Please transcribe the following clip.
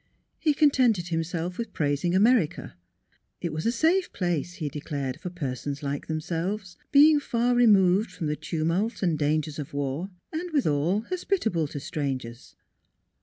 He contented himself with praising America. It was a safe place, he declared, for persons like themselves, being far removed from the tumult and dangers of war and withal hospitable to strangers.